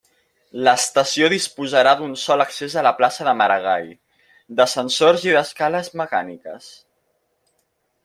L'estació disposarà d'un sol accés a la plaça de Maragall, d'ascensors i d'escales mecàniques.